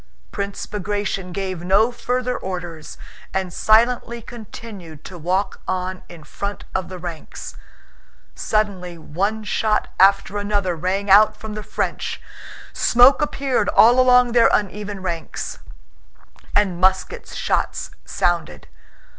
Prince Bagratión gave no further orders and silently continued to walk on in front of the ranks. Suddenly one shot after another rang out from the French, smoke appeared all along their uneven ranks, and musket shots sounded.